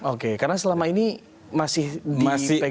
oke karena selama ini masih dipegang